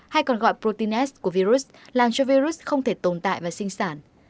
hay còn gọi protein s của virus làm cho virus không thể tồn tại và sinh sản